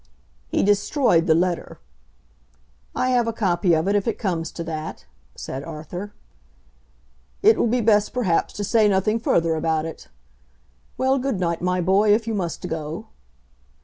"He destroyed the letter." "I have a copy of it, if it comes to that," said Arthur. "It will be best, perhaps, to say nothing further about it. Well; good night, my boy, if you must go."